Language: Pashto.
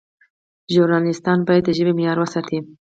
ژورنالیستان باید د ژبې معیار وساتي.